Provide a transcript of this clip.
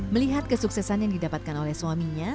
melihat kesuksesan yang didapatkan oleh suaminya